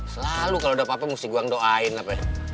selalu kalau udah apa apa mesti gua doain lah beh